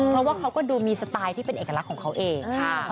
เพราะว่าเขาก็ดูมีสไตล์ที่เป็นเอกลักษณ์ของเขาเอง